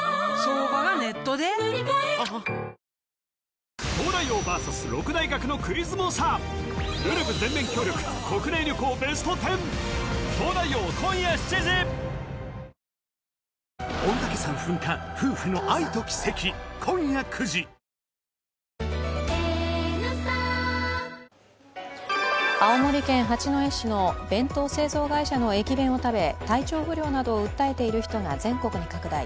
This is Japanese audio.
シャキッとするしいいじゃないですか青森県八戸市の弁当製造会社の駅弁を食べ体調不良などを訴えている人が全国に拡大。